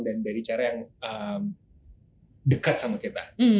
dan dari cara yang dekat sama kita